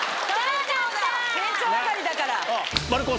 店長上がりだから。